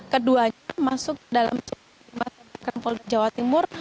keduanya masuk dalam kuban va dan as polda jawa timur